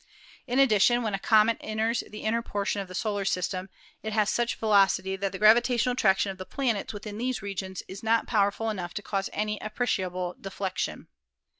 In addition, when a comet enters the inner portion of the solar system, it has such velocity that the gravitational attraction of the planets within these regions is not powerful enough to cause any appreciable deflection.